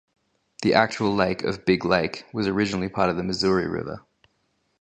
The actual lake of Big Lake was originally part of the Missouri River.